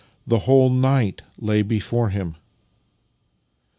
The whole night lay before him!